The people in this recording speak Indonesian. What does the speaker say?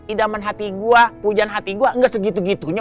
idaman hati gue hujan hati gue gak segitu gitunya